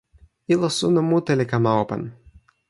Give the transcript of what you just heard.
ilo suno mute li kama open.